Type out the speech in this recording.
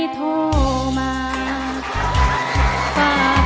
ร้องมาครับ